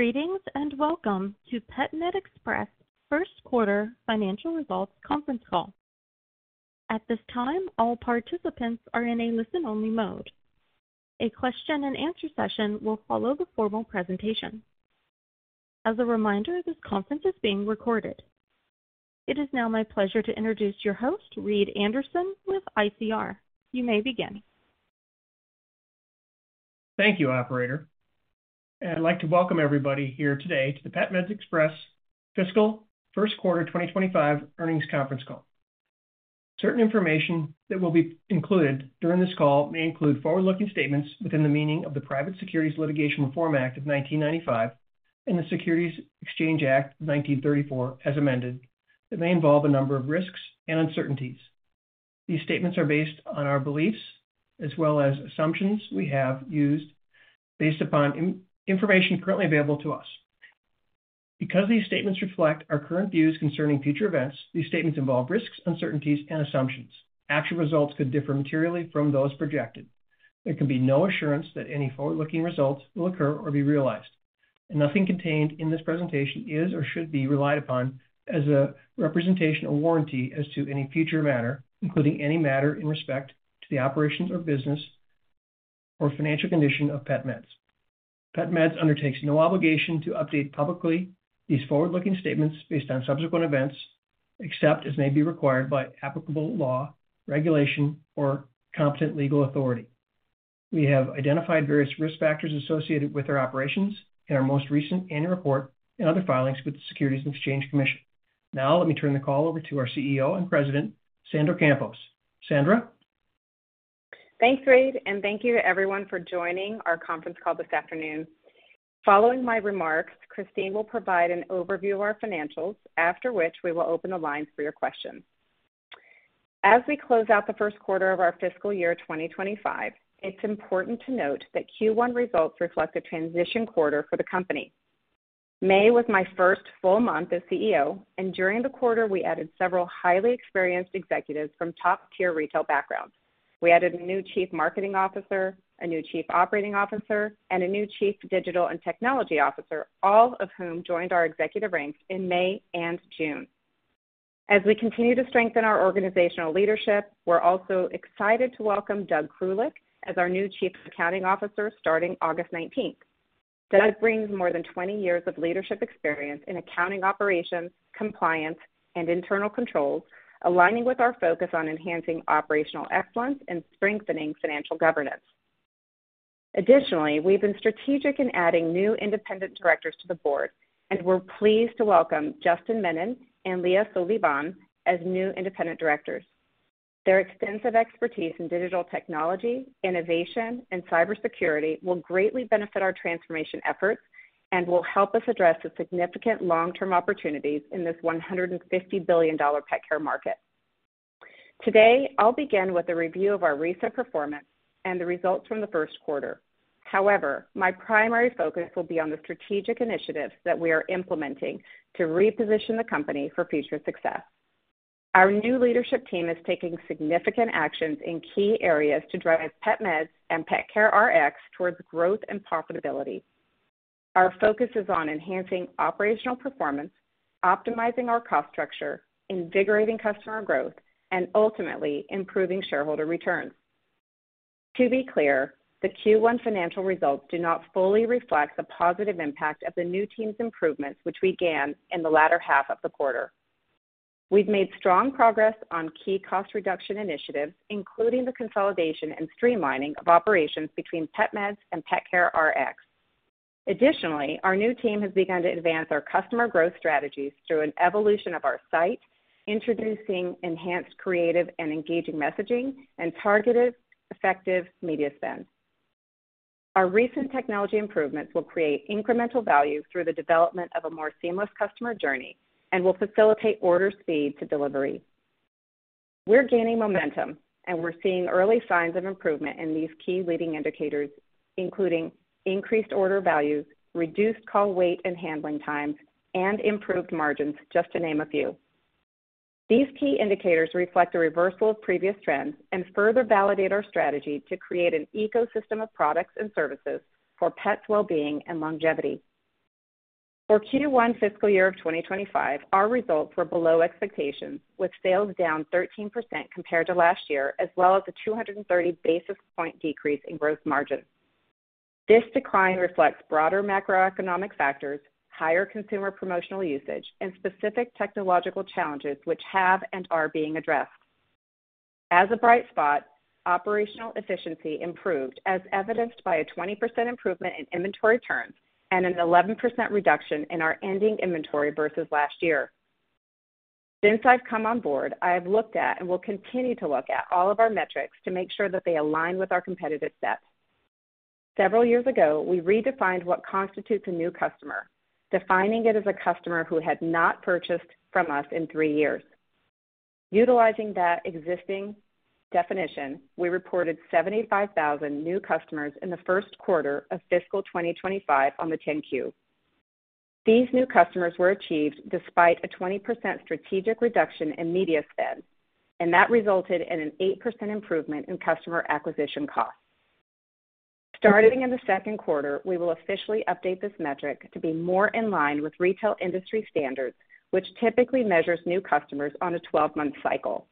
Greetings, and welcome to PetMed Express First Quarter Financial Results Conference Call. At this time, all participants are in a listen-only mode. A question-and-answer session will follow the formal presentation. As a reminder, this conference is being recorded. It is now my pleasure to introduce your host, Reid Anderson, with ICR. You may begin. Thank you, operator. I'd like to welcome everybody here today to the PetMed Express Fiscal First Quarter 2025 Earnings Conference Call. Certain information that will be included during this call may include forward-looking statements within the meaning of the Private Securities Litigation Reform Act of 1995 and the Securities Exchange Act of 1934, as amended, that may involve a number of risks and uncertainties. These statements are based on our beliefs as well as assumptions we have used based upon information currently available to us. Because these statements reflect our current views concerning future events, these statements involve risks, uncertainties and assumptions. Actual results could differ materially from those projected. There can be no assurance that any forward-looking results will occur or be realized, and nothing contained in this presentation is or should be relied upon as a representation or warranty as to any future matter, including any matter in respect to the operations or business or financial condition of PetMeds. PetMeds undertakes no obligation to update publicly these forward-looking statements based on subsequent events, except as may be required by applicable law, regulation, or competent legal authority. We have identified various risk factors associated with our operations in our most recent annual report and other filings with the Securities and Exchange Commission. Now, let me turn the call over to our CEO and President, Sandra Campos. Sandra? Thanks, Reid, and thank you to everyone for joining our conference call this afternoon. Following my remarks, Christine will provide an overview of our financials, after which we will open the lines for your questions. As we close out the first quarter of our fiscal year 2025, it's important to note that Q1 results reflect a transition quarter for the company. May was my first full month as CEO, and during the quarter we added several highly experienced executives from top-tier retail backgrounds. We added a new Chief Marketing Officer, a new Chief Operating Officer, and a new Chief Digital and Technology Officer, all of whom joined our executive ranks in May and June. As we continue to strengthen our organizational leadership, we're also excited to welcome Doug Krulik as our new Chief Accounting Officer starting August 19th. Doug brings more than 20 years of leadership experience in accounting operations, compliance, and internal controls, aligning with our focus on enhancing operational excellence and strengthening financial governance. Additionally, we've been strategic in adding new independent directors to the board, and we're pleased to welcome Justin Mennen and Leah Solivan as new independent directors. Their extensive expertise in digital technology, innovation, and cybersecurity will greatly benefit our transformation efforts and will help us address the significant long-term opportunities in this $150 billion pet-care market. Today, I'll begin with a review of our recent performance and the results from the first quarter. However, my primary focus will be on the strategic initiatives that we are implementing to reposition the company for future success. Our new leadership team is taking significant actions in key areas to drive PetMeds and PetCareRx towards growth and profitability. Our focus is on enhancing operational performance, optimizing our cost structure, invigorating customer growth, and ultimately improving shareholder returns. To be clear, the Q1 financial results do not fully reflect the positive impact of the new team's improvements, which began in the latter half of the quarter. We've made strong progress on key cost reduction initiatives, including the consolidation and streamlining of operations between PetMeds and PetCareRx. Additionally, our new team has begun to advance our customer growth strategies through an evolution of our site, introducing enhanced, creative, and engaging messaging and targeted, effective media spend. Our recent technology improvements will create incremental value through the development of a more seamless customer journey and will facilitate order speed to delivery. We're gaining momentum, and we're seeing early signs of improvement in these key leading indicators, including increased order values, reduced call wait and handling times, and improved margins, just to name a few. These key indicators reflect a reversal of previous trends and further validate our strategy to create an ecosystem of products and services for pets' well-being and longevity. For Q1 fiscal year of 2025, our results were below expectations, with sales down 13% compared to last year, as well as a 230 basis point decrease in gross margin. This decline reflects broader macroeconomic factors, higher consumer promotional usage, and specific technological challenges which have and are being addressed. As a bright spot, operational efficiency improved, as evidenced by a 20% improvement in inventory turns and an 11% reduction in our ending inventory versus last year. Since I've come on board, I have looked at and will continue to look at all of our metrics to make sure that they align with our competitive set. Several years ago, we redefined what constitutes a new customer, defining it as a customer who had not purchased from us in 3 years. Utilizing that existing definition, we reported 75,000 new customers in the first quarter of fiscal 2025 on the 10-Q. These new customers were achieved despite a 20% strategic reduction in media spend, and that resulted in an 8% improvement in customer acquisition costs. Starting in the second quarter, we will officially update this metric to be more in line with retail industry standards, which typically measures new customers on a 12-month cycle.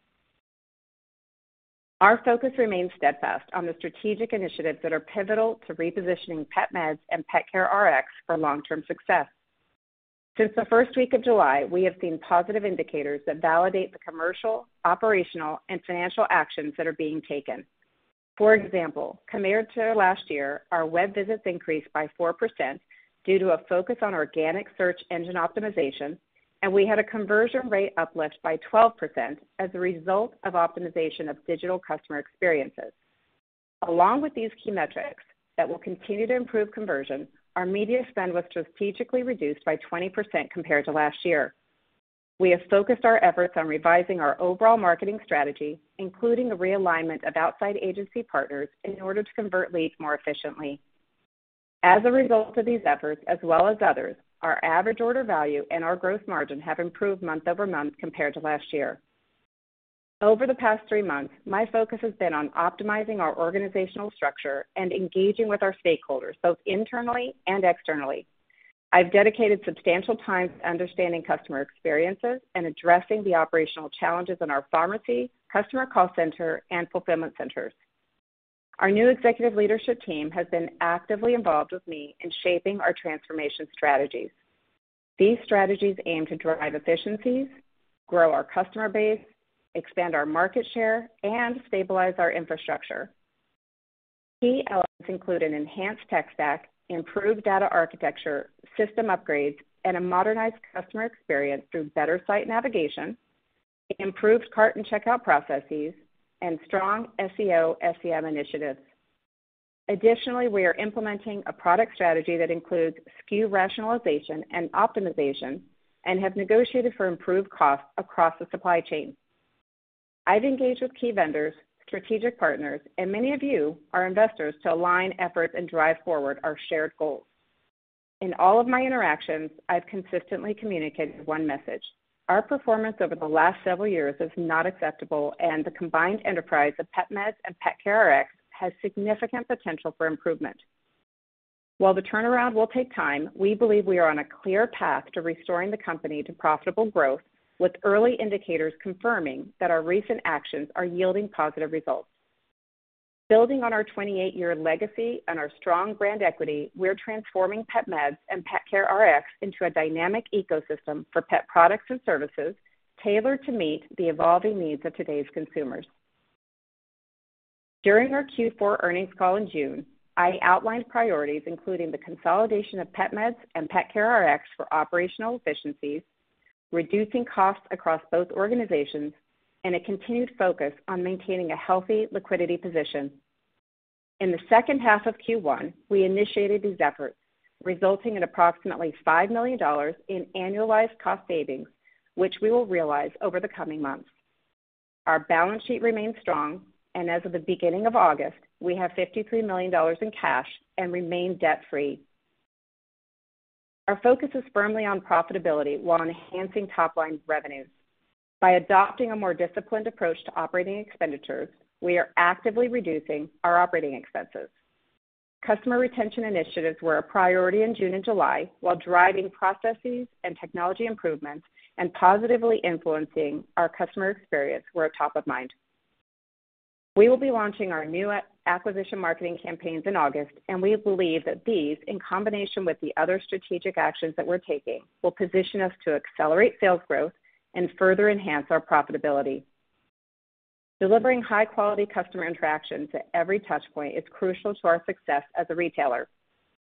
Our focus remains steadfast on the strategic initiatives that are pivotal to repositioning PetMeds and PetCareRx for long-term success. Since the first week of July, we have seen positive indicators that validate the commercial, operational, and financial actions that are being taken. For example, compared to last year, our web visits increased by 4% due to a focus on organic search engine optimization, and we had a conversion rate uplift by 12% as a result of optimization of digital customer experiences. Along with these key metrics that will continue to improve conversion, our media spend was strategically reduced by 20% compared to last year. We have focused our efforts on revising our overall marketing strategy, including a realignment of outside agency partners, in order to convert leads more efficiently. As a result of these efforts, as well as others, our average order value and our gross margin have improved month-over-month compared to last year. Over the past three months, my focus has been on optimizing our organizational structure and engaging with our stakeholders, both internally and externally. I've dedicated substantial time to understanding customer experiences and addressing the operational challenges in our pharmacy, customer call center, and fulfillment centers. Our new executive leadership team has been actively involved with me in shaping our transformation strategies. These strategies aim to drive efficiencies, grow our customer base, expand our market share, and stabilize our infrastructure. Key elements include an enhanced tech stack, improved data architecture, system upgrades, and a modernized customer experience through better site navigation, improved cart and checkout processes, and strong SEO, SEM initiatives. Additionally, we are implementing a product strategy that includes SKU rationalization and optimization and have negotiated for improved costs across the supply chain. I've engaged with key vendors, strategic partners, and many of you, our investors, to align efforts and drive forward our shared goals. In all of my interactions, I've consistently communicated one message: Our performance over the last several years is not acceptable, and the combined enterprise of PetMeds and PetCareRx has significant potential for improvement. While the turnaround will take time, we believe we are on a clear path to restoring the company to profitable growth, with early indicators confirming that our recent actions are yielding positive results. Building on our 28-year legacy and our strong brand equity, we're transforming PetMeds and PetCareRx into a dynamic ecosystem for pet products and services tailored to meet the evolving needs of today's consumers. During our Q4 earnings call in June, I outlined priorities, including the consolidation of PetMeds and PetCareRx for operational efficiencies, reducing costs across both organizations, and a continued focus on maintaining a healthy liquidity position. In the second half of Q1, we initiated these efforts, resulting in approximately $5 million in annualized cost savings, which we will realize over the coming months. Our balance sheet remains strong, and as of the beginning of August, we have $53 million in cash and remain debt-free. Our focus is firmly on profitability while enhancing top-line revenues. By adopting a more disciplined approach to operating expenditures, we are actively reducing our operating expenses. Customer retention initiatives were a priority in June and July, while driving processes and technology improvements and positively influencing our customer experience were top of mind. We will be launching our new acquisition marketing campaigns in August, and we believe that these, in combination with the other strategic actions that we're taking, will position us to accelerate sales growth and further enhance our profitability. Delivering high-quality customer interaction to every touch point is crucial to our success as a retailer.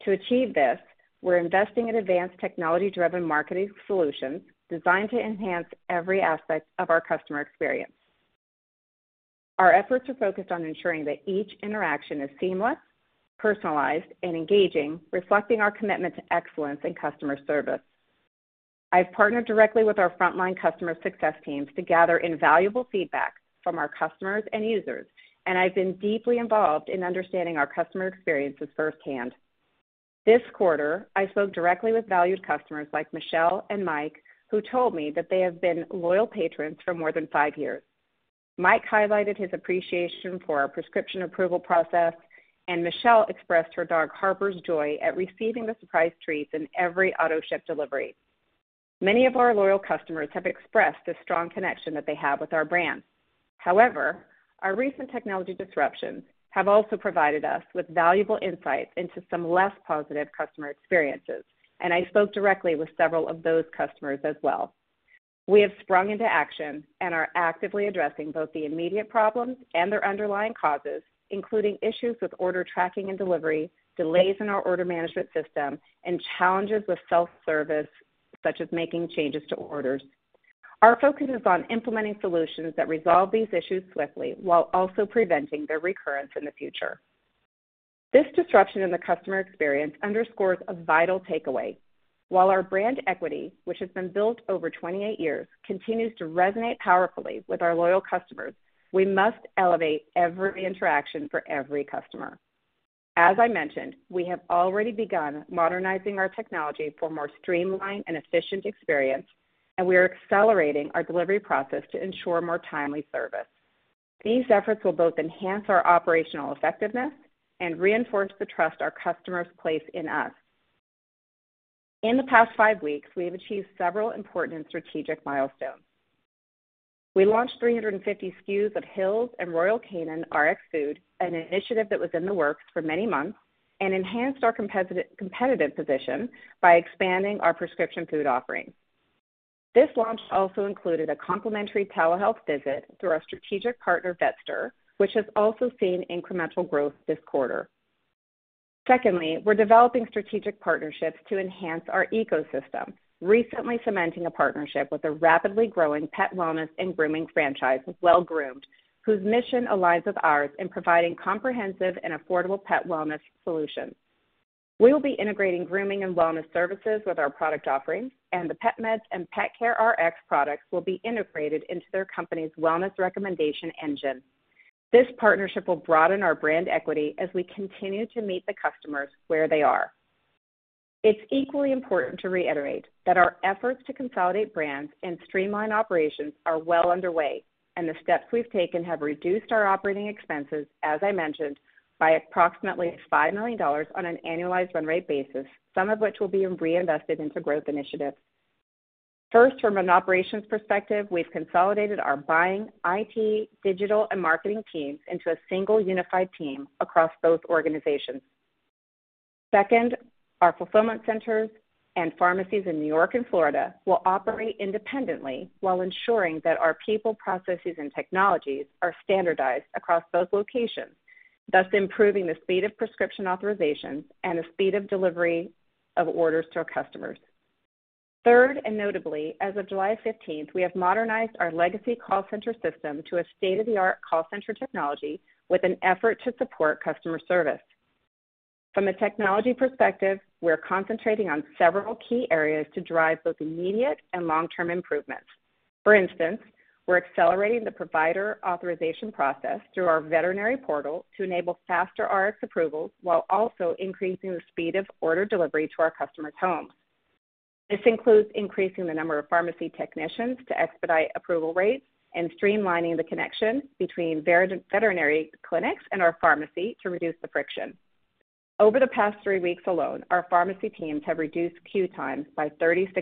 To achieve this, we're investing in advanced technology-driven marketing solutions designed to enhance every aspect of our customer experience. Our efforts are focused on ensuring that each interaction is seamless, personalized, and engaging, reflecting our commitment to excellence in customer service. I've partnered directly with our frontline customer success teams to gather invaluable feedback from our customers and users, and I've been deeply involved in understanding our customer experiences firsthand. This quarter, I spoke directly with valued customers like Michelle and Mike, who told me that they have been loyal patrons for more than five years. Mike highlighted his appreciation for our prescription approval process, and Michelle expressed her dog Harper's joy at receiving the surprise treats in every AutoShip delivery. Many of our loyal customers have expressed the strong connection that they have with our brand. However, our recent technology disruptions have also provided us with valuable insights into some less positive customer experiences, and I spoke directly with several of those customers as well. We have sprung into action and are actively addressing both the immediate problems and their underlying causes, including issues with order tracking and delivery, delays in our order management system, and challenges with self-service, such as making changes to orders. Our focus is on implementing solutions that resolve these issues swiftly while also preventing their recurrence in the future. This disruption in the customer experience underscores a vital takeaway. While our brand equity, which has been built over 28 years, continues to resonate powerfully with our loyal customers, we must elevate every interaction for every customer.... As I mentioned, we have already begun modernizing our technology for more streamlined and efficient experience, and we are accelerating our delivery process to ensure more timely service. These efforts will both enhance our operational effectiveness and reinforce the trust our customers place in us. In the past five weeks, we have achieved several important strategic milestones. We launched 350 SKUs of Hill's and Royal Canin Rx Food, an initiative that was in the works for many months, and enhanced our competitive position by expanding our prescription food offerings. This launch also included a complimentary telehealth visit through our strategic partner, Vetster, which has also seen incremental growth this quarter. Secondly, we're developing strategic partnerships to enhance our ecosystem, recently cementing a partnership with a rapidly growing pet wellness and grooming franchise, Well Groomed, whose mission aligns with ours in providing comprehensive and affordable pet wellness solutions. We will be integrating grooming and wellness services with our product offerings, and the PetMeds and PetCareRx products will be integrated into their company's wellness recommendation engine. This partnership will broaden our brand equity as we continue to meet the customers where they are. It's equally important to reiterate that our efforts to consolidate brands and streamline operations are well underway, and the steps we've taken have reduced our operating expenses, as I mentioned, by approximately $5 million on an annualized run rate basis, some of which will be reinvested into growth initiatives. First, from an operations perspective, we've consolidated our buying, IT, digital, and marketing teams into a single unified team across both organizations. Second, our fulfillment centers and pharmacies in New York and Florida will operate independently while ensuring that our people, processes, and technologies are standardized across both locations, thus improving the speed of prescription authorizations and the speed of delivery of orders to our customers. Third, and notably, as of July 15th, we have modernized our legacy call center system to a state-of-the-art call center technology with an effort to support customer service. From a technology perspective, we are concentrating on several key areas to drive both immediate and long-term improvements. For instance, we're accelerating the provider authorization process through our veterinary portal to enable faster Rx approvals, while also increasing the speed of order delivery to our customers' homes. This includes increasing the number of pharmacy technicians to expedite approval rates and streamlining the connection between veterinary clinics and our pharmacy to reduce the friction. Over the past three weeks alone, our pharmacy teams have reduced queue times by 36%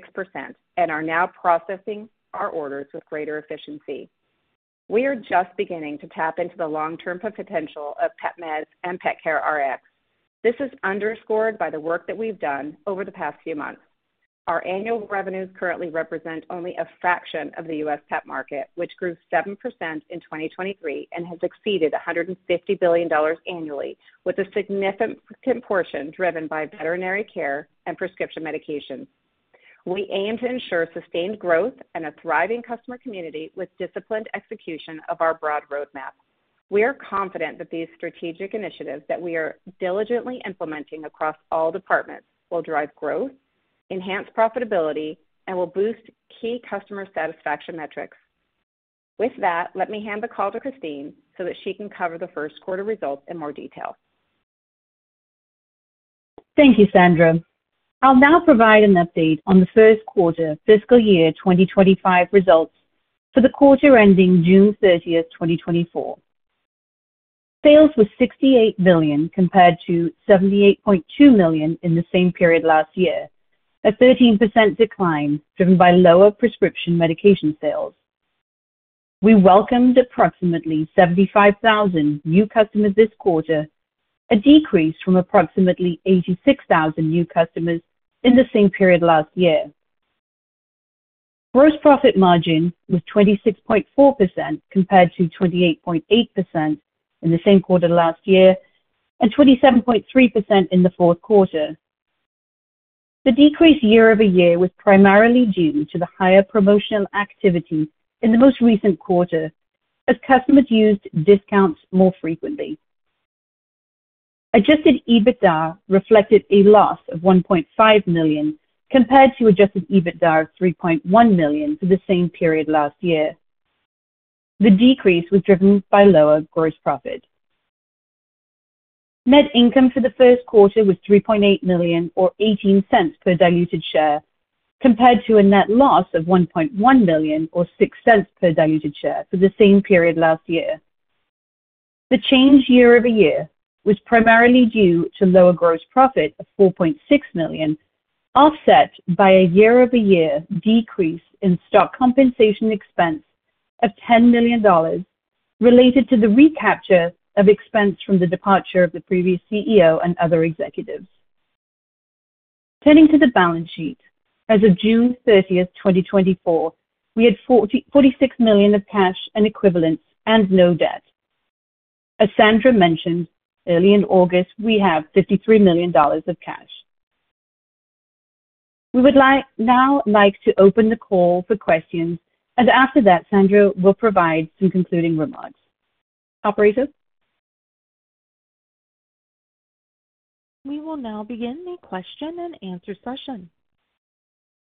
and are now processing our orders with greater efficiency. We are just beginning to tap into the long-term potential of PetMeds and PetCareRx. This is underscored by the work that we've done over the past few months. Our annual revenues currently represent only a fraction of the U.S. pet market, which grew 7% in 2023 and has exceeded $150 billion annually, with a significant portion driven by veterinary care and prescription medications. We aim to ensure sustained growth and a thriving customer community with disciplined execution of our broad roadmap. We are confident that these strategic initiatives that we are diligently implementing across all departments will drive growth, enhance profitability, and will boost key customer satisfaction metrics. With that, let me hand the call to Christine so that she can cover the first quarter results in more detail. Thank you, Sandra. I'll now provide an update on the first quarter fiscal year 2025 results for the quarter ending June 30th, 2024. Sales were $68 million, compared to $78.2 million in the same period last year, a 13% decline driven by lower prescription medication sales. We welcomed approximately 75,000 new customers this quarter, a decrease from approximately 86,000 new customers in the same period last year. Gross profit margin was 26.4%, compared to 28.8% in the same quarter last year and 27.3% in the fourth quarter. The decrease year-over-year was primarily due to the higher promotional activity in the most recent quarter, as customers used discounts more frequently. Adjusted EBITDA reflected a loss of $1.5 million, compared to adjusted EBITDA of $3.1 million for the same period last year. The decrease was driven by lower gross profit. Net income for the first quarter was $3.8 million, or $0.18 per diluted share, compared to a net loss of $1.1 million, or $0.06 per diluted share, for the same period last year. The change year-over-year was primarily due to lower gross profit of $4.6 million, offset by a year-over-year decrease in stock compensation expense of $10 million, related to the recapture of expense from the departure of the previous CEO and other executives. Turning to the balance sheet. As of June 30th, 2024, we had $46 million of cash and equivalents and no debt. As Sandra mentioned, early in August, we have $53 million of cash. We would now like to open the call for questions, and after that, Sandra will provide some concluding remarks. Operator? We will now begin the question and answer session....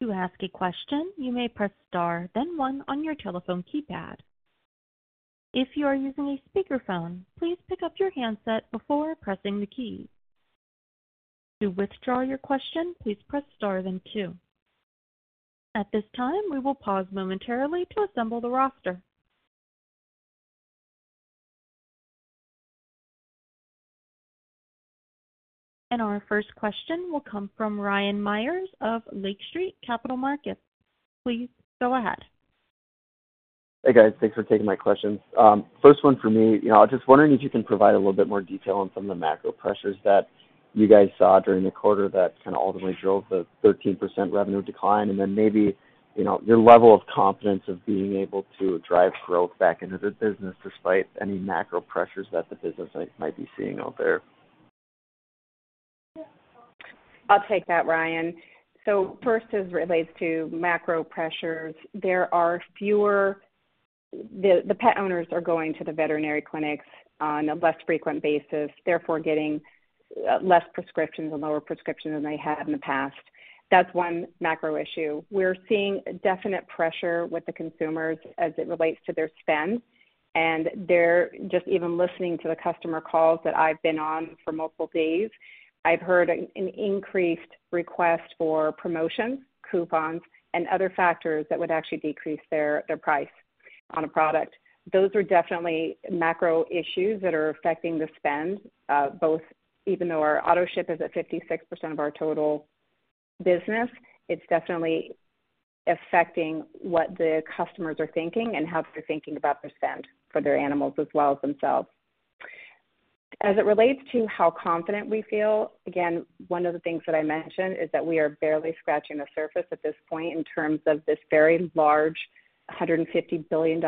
To ask a question, you may press Star, then one on your telephone keypad. If you are using a speakerphone, please pick up your handset before pressing the key. To withdraw your question, please press Star, then two. At this time, we will pause momentarily to assemble the roster. Our first question will come from Ryan Meyers of Lake Street Capital Markets. Please go ahead. Hey, guys. Thanks for taking my questions. First one for me, you know, I was just wondering if you can provide a little bit more detail on some of the macro pressures that you guys saw during the quarter that kind of ultimately drove the 13% revenue decline, and then maybe, you know, your level of confidence of being able to drive growth back into the business despite any macro pressures that the business might be seeing out there. I'll take that, Ryan. So first, as it relates to macro pressures, there are fewer pet owners are going to the veterinary clinics on a less frequent basis, therefore getting less prescriptions and lower prescription than they had in the past. That's one macro issue. We're seeing definite pressure with the consumers as it relates to their spend, and they're just even listening to the customer calls that I've been on for multiple days, I've heard an increased request for promotions, coupons, and other factors that would actually decrease their price on a product. Those are definitely macro issues that are affecting the spend, both, even though our AutoShip is at 56% of our total business, it's definitely affecting what the customers are thinking and how they're thinking about their spend for their animals as well as themselves. As it relates to how confident we feel, again, one of the things that I mentioned is that we are barely scratching the surface at this point in terms of this very large, $150 billion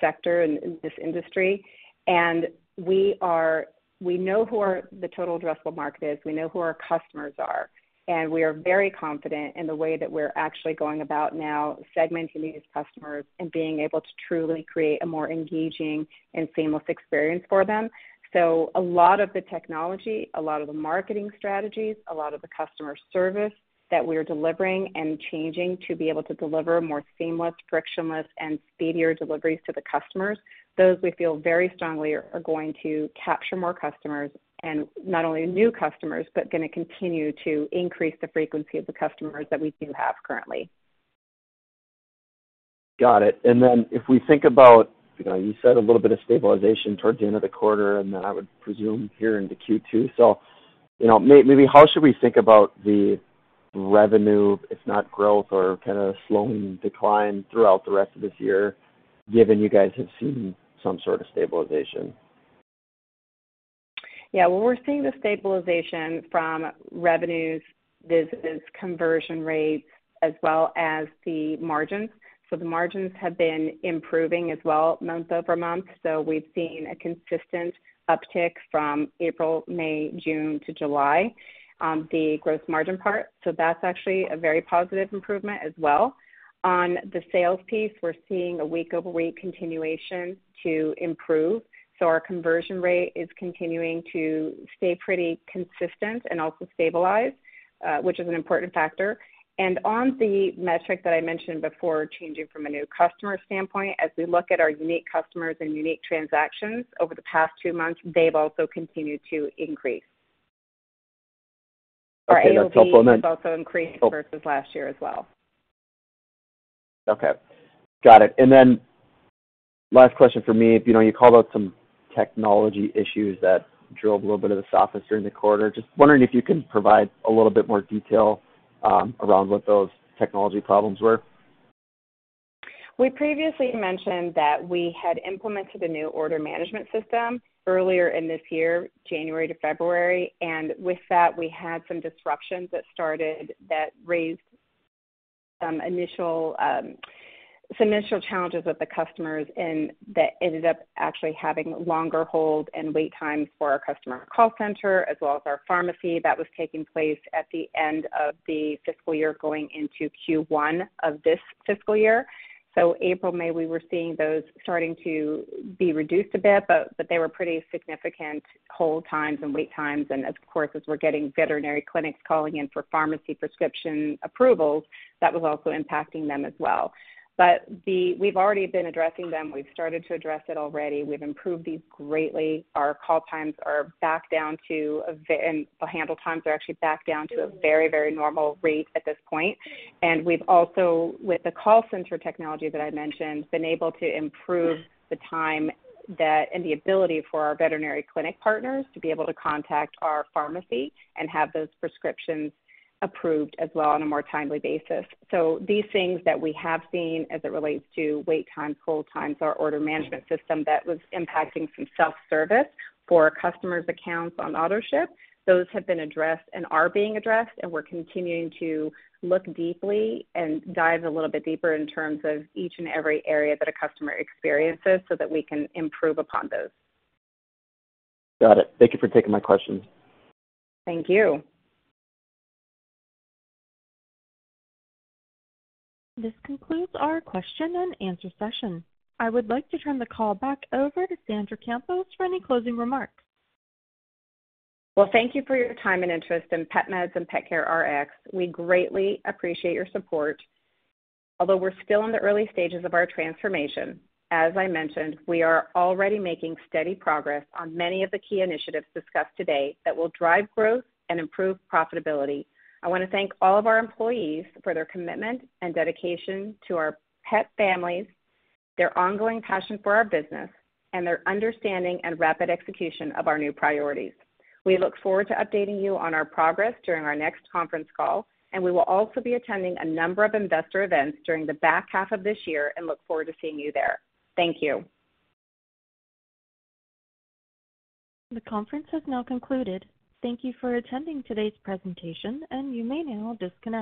sector in this industry. And we are, we know who our, the total addressable market is, we know who our customers are, and we are very confident in the way that we're actually going about now segmenting these customers and being able to truly create a more engaging and seamless experience for them. So a lot of the technology, a lot of the marketing strategies, a lot of the customer service that we're delivering and changing to be able to deliver more seamless, frictionless, and speedier deliveries to the customers, those we feel very strongly are going to capture more customers. Not only new customers, but gonna continue to increase the frequency of the customers that we do have currently. Got it. And then if we think about, you know, you said a little bit of stabilization towards the end of the quarter, and then I would presume here into Q2. So, you know, maybe how should we think about the revenue, if not growth or kind of slowing decline, throughout the rest of this year, given you guys have seen some sort of stabilization? Yeah, well, we're seeing the stabilization from revenues, this is conversion rates as well as the margins. So the margins have been improving as well, month-over-month. So we've seen a consistent uptick from April, May, June to July, the gross margin part. So that's actually a very positive improvement as well. On the sales piece, we're seeing a week-over-week continuation to improve. So our conversion rate is continuing to stay pretty consistent and also stabilized, which is an important factor. And on the metric that I mentioned before, changing from a new customer standpoint, as we look at our unique customers and unique transactions over the past two months, they've also continued to increase. Okay, that's helpful, then- also increased versus last year as well. Okay, got it. And then last question for me. You know, you called out some technology issues that drove a little bit of the softness during the quarter. Just wondering if you can provide a little bit more detail around what those technology problems were. We previously mentioned that we had implemented a new order management system earlier in this year, January to February, and with that, we had some disruptions that started, that raised some initial, some initial challenges with the customers, and that ended up actually having longer hold and wait times for our customer call center, as well as our pharmacy. That was taking place at the end of the fiscal year, going into Q1 of this fiscal year. So April, May, we were seeing those starting to be reduced a bit, but they were pretty significant hold times and wait times. And of course, as we're getting veterinary clinics calling in for pharmacy prescription approvals, that was also impacting them as well. But we've already been addressing them. We've started to address it already. We've improved these greatly. Our call times are back down to a very and our handle times are actually back down to a very, very normal rate at this point. And we've also, with the call center technology that I mentioned, been able to improve the time that and the ability for our veterinary clinic partners to be able to contact our pharmacy and have those prescriptions approved as well on a more timely basis. So these things that we have seen as it relates to wait times, hold times, our order management system, that was impacting some self-service for customers' accounts on AutoShip. Those have been addressed and are being addressed, and we're continuing to look deeply and dive a little bit deeper in terms of each and every area that a customer experiences, so that we can improve upon those. Got it. Thank you for taking my questions. Thank you. This concludes our question and answer session. I would like to turn the call back over to Sandra Campos for any closing remarks. Well, thank you for your time and interest in PetMeds and PetCareRx. We greatly appreciate your support. Although we're still in the early stages of our transformation, as I mentioned, we are already making steady progress on many of the key initiatives discussed today that will drive growth and improve profitability. I want to thank all of our employees for their commitment and dedication to our pet families, their ongoing passion for our business, and their understanding and rapid execution of our new priorities. We look forward to updating you on our progress during our next conference call, and we will also be attending a number of investor events during the back half of this year and look forward to seeing you there. Thank you. The conference has now concluded. Thank you for attending today's presentation, and you may now disconnect.